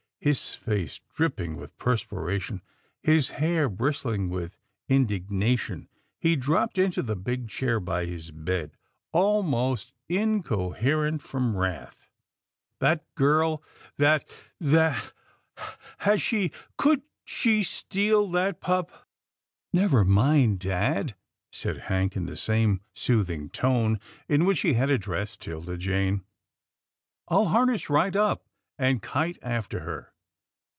His face dripping with perspiration, his hair brist ling with indignation, he dropped into the big chair by his bed, almost incoherent from wrath. " That girl, that — that — has she — could she steal that pup?" " Never mind, dad," said Hank in the same soothing tone in which he had addressed 'Tilda Jane, " I'll harness right up, and kite after her.